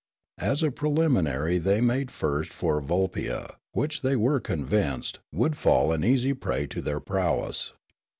As a preliminary they made first for Vulpia, which, they were convinced, would fall an easy prey to their prowess.